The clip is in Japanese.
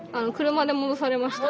車で戻されました。